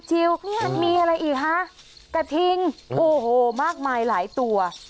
มีอะไรอีกคะกระทิงโอ้โหมากมายหลายตัว